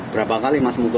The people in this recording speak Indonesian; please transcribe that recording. berapa kali mas mukul